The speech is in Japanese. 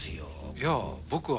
いや僕は。